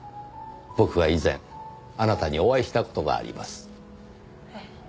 僕は以前あなたにお会いした事があります。え？